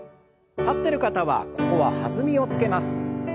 立ってる方はここは弾みをつけます。